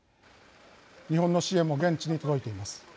日本の支援も現地に届いています。